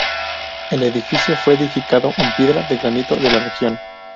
El edificio fue edificado en piedra de granito de la región.